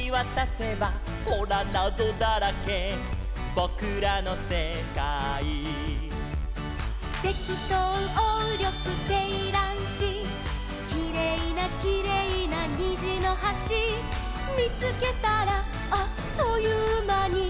「ぼくらのせかい」「セキトウオウリョクセイランシ」「きれいなきれいなにじのはし」「みつけたらあっというまに」